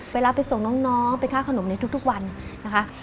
เวลาไปส่งน้องไปค่าขนมในทุกวันนะคะ